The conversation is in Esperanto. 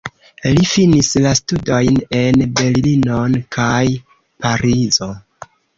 Li finis la studojn en Berlinon kaj Parizo.